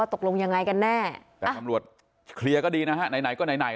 พัดกันได้เลยค่ะ